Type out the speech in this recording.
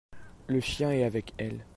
Le chien est avec elles.